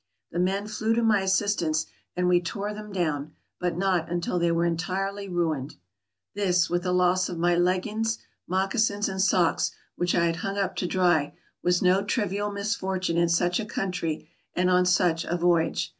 The men flew to my assistance, and we tore them down, but not until they were entirely ruined. This, with the loss of my leggins, moccasins, and socks, which I had hung up to dry, was no trivial misfortune in such a country and on such a voyage.